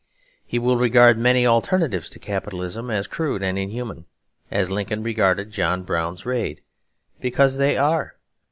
He will regard many alternatives to capitalism as crude and inhuman, as Lincoln regarded John Brown's raid; because they are.